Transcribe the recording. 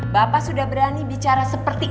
bapak sudah berani bicara seperti